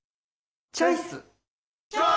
チョイス！